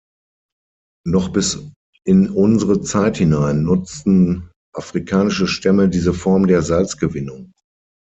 Noch bis in unsere Zeit hinein nutzten afrikanische Stämme diese Form der Salzgewinnung.